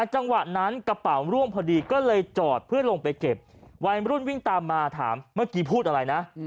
จังหวะนั้นกระเป๋าร่วงพอดีก็เลยจอดเพื่อลงไปเก็บวัยรุ่นวิ่งตามมาถามเมื่อกี้พูดอะไรนะ